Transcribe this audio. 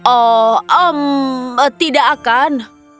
oh hmm tidak akan